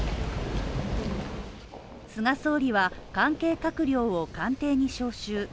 菅総理は関係閣僚を官邸に招集。